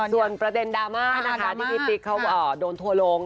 ส่วนประเด็นดราม่านะคะที่พี่ติ๊กเขาโดนทัวร์ลง